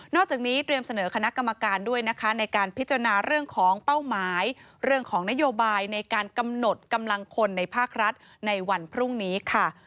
จากนี้เตรียมเสนอคณะกรรมการด้วยนะคะในการพิจารณาเรื่องของเป้าหมายเรื่องของนโยบายในการกำหนดกำลังคนในภาครัฐในวันพรุ่งนี้ค่ะ